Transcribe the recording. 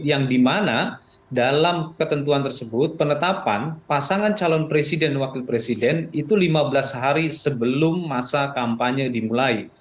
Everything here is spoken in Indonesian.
yang dimana dalam ketentuan tersebut penetapan pasangan calon presiden dan wakil presiden itu lima belas hari sebelum masa kampanye dimulai